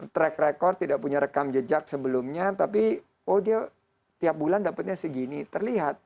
track record tidak punya rekam jejak sebelumnya tapi oh dia tiap bulan dapatnya segini terlihat